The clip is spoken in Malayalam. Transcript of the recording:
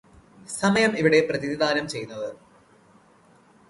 സമയം ഇവിടെ പ്രതിനിധാനം ചെയ്യുന്നത്